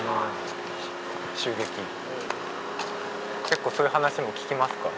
結構そういう話も聞きますか？